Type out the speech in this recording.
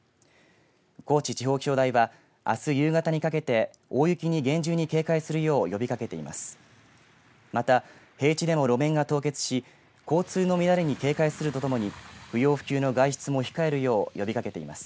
高知地方気象台はあす夕方にかけて大雪に厳重に警戒するよう呼びかけています。